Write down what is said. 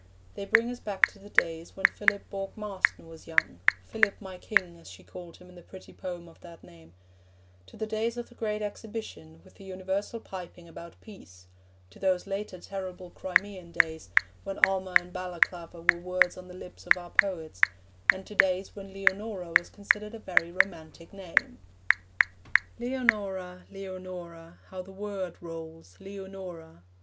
They bring us back to the days when Philip Bourke Marston was young 'Philip, my King,' as she called him in the pretty poem of that name; to the days of the Great Exhibition, with the universal piping about peace; to those later terrible Crimean days, when Alma and Balaclava were words on the lips of our poets; and to days when Leonora was considered a very romantic name. Leonora, Leonora, How the word rolls Leonora.